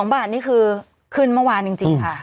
๒บาทนี่คือขึ้นเมื่อวานจริงค่ะ